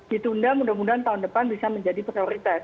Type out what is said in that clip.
ditunda mudah mudahan tahun depan bisa menjadi prioritas